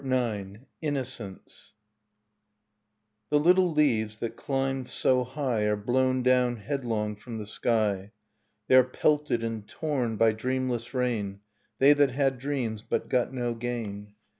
[71 ms INNOCENCE The little leaves that climbed so high Are blown down headlong from the sky, They are pelted and torn by dreamless rain, They that had dreams but got no gain.